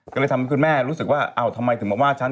ก็เลยทำให้คุณแม่รู้สึกว่าอ้าวทำไมถึงมาว่าฉัน